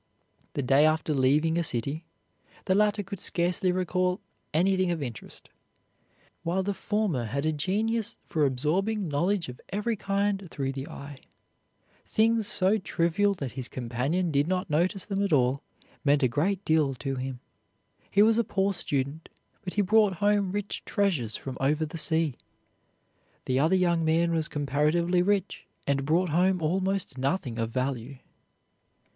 The day after leaving a city, the latter could scarcely recall anything of interest, while the former had a genius for absorbing knowledge of every kind through the eye. Things so trivial that his companion did not notice them at all, meant a great deal to him. He was a poor student, but he brought home rich treasures from over the sea. The other young man was comparatively rich, and brought home almost nothing of value.